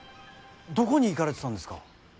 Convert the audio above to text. どこに行かれてたんですか。